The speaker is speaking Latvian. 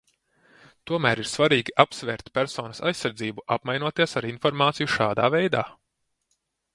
Tomēr ir svarīgi apsvērt personas aizsardzību, apmainoties ar informāciju šādā veidā.